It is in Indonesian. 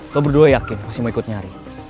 kau berdua yakin masih mau ikut nyari